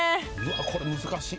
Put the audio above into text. ・これ難しい。